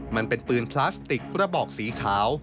มันเป็นปืนพลาสติกระบอกสีขาว